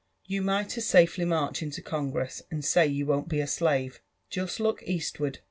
You might as safely march into Congress, and say you won't be a slave. Just look .eastward.